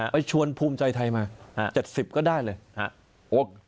ไปชวนภูมิใจไทยมา๗๐ก็ได้เลย